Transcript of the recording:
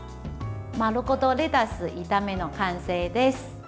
まるごとレタス炒めの完成です。